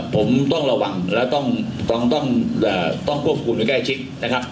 ผมต้องระวังแล้วต้องต้องต้องเอ่อต้องควบคุมไว้ใกล้ชิดนะครับ